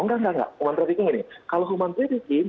oh enggak human trafficking ini kalau human trafficking